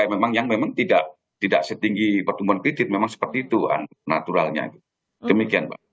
memang yang memang tidak tidak setinggi pertumbuhan kredit memang seperti itu naturalnya demikian mbak